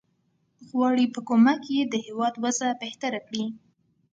غواړي په کومک یې د هیواد وضع بهتره کړي.